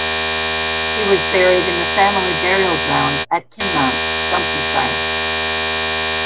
He was buried in the family burial ground at Kinmount, Dumfriesshire.